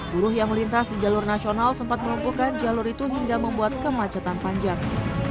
buruh yang melintas di jalur nasional sempat melumpuhkan jalur itu hingga membuat kemacetan panjang